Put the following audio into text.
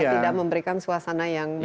kenapa tidak memberikan suasana yang menyenangkan